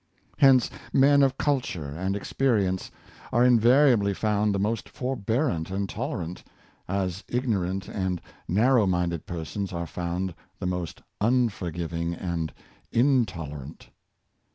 Hence men of culture and ex perience are invariably found the most forbearant and tolerant, as ignorant and narrow minded persons are found the most unforgiving, and intolerant.